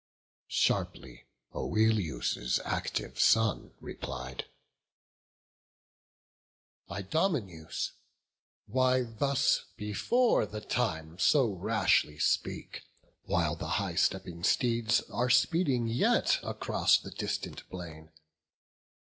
Sharply Oileus' active son replied: "Idomeneus, why thus, before the time, So rashly speak? while the high stepping steeds Are speeding yet across the distant plain.